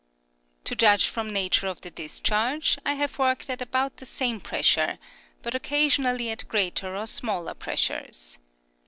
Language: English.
To judge from nature of the discharge, I have worked at about the same pressure, but occasionally at greater or smaller pres sures.